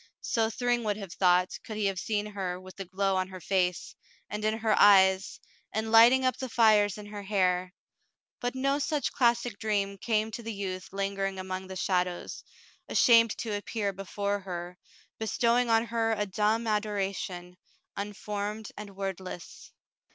So Thryng would have thought, could he have seen her with the glow on her face, and in her eyes, and lighting up the fires in her hair ; but no such classic dream came to the youth lingering among the shadows, ashamed to appear before her, bestowing on her a dumb adoration, unformed and wordless.